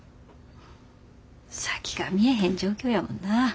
先が見えへん状況やもんな。